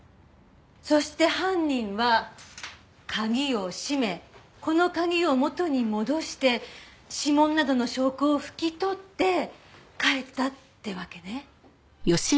そして犯人は鍵を閉めこの鍵を元に戻して指紋などの証拠を拭き取って帰ったってわけね？